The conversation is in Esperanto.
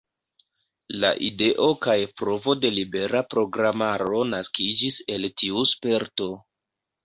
La ideo kaj provo de libera programaro naskiĝis el tiu sperto.